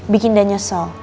bikin dah nyesel